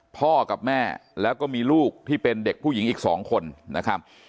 พ่อกับแม่แล้วก็มีลูกที่เป็นเด็กผู้หญิงอีก๒คนนะครับ